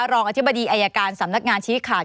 รองอธิบดีอายการสำนักงานชี้ขาด